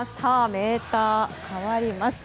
メーターが変わります。